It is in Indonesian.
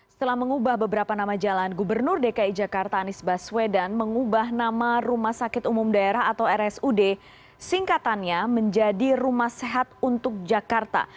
setelah mengubah beberapa nama jalan gubernur dki jakarta anies baswedan mengubah nama rumah sakit umum daerah atau rsud singkatannya menjadi rumah sehat untuk jakarta